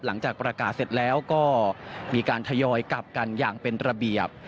หลังจากประกาศเสร็จแล้วก็มีการทยอยกลับกันอย่างเป็นระเบียบ